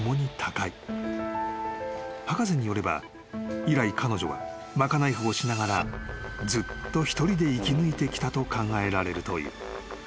［博士によれば以来彼女は賄い婦をしながらずっと一人で生きぬいてきたと考えられるという］